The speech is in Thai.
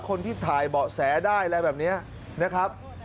คนที่ถ่ายเบาะแสได้อะไรแบบนี้นะครับ